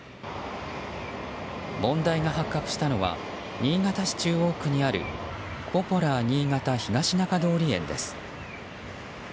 問題が発覚したのは新潟市中央区にあるポポラー新潟東中通園です。